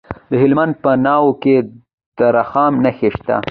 د هلمند په ناوې کې د رخام نښې شته.